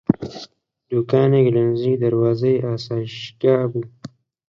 دووکانێک لە نزیک دەروازەی ئاسایشگا بوو